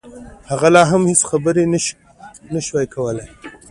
هغه لا هم هېڅ خبرې نشوای کولای